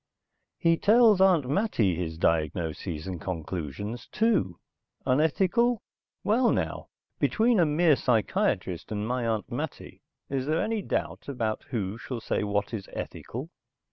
He tells Aunt Mattie his diagnoses and conclusions, too. Unethical? Well now! Between a mere psychiatrist and my Aunt Mattie is there any doubt about who shall say what is ethical?